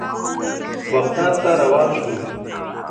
بغداد ته روان شوو.